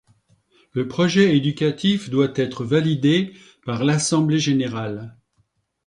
Le projet éducatif doit être validé par l'Assemblée Générale.